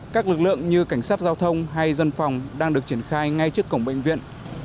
các lực lượng như cảnh sát giao thông hay dân phòng đang được triển khai ngay trước cổng bệnh viện